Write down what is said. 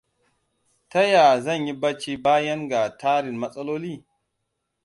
Ta ya zan yi bacci bayan ga tarin matsaloli?